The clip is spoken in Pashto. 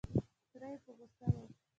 تره یې په غوسه و.